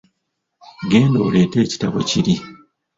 Genda oleete ekitabo kiri.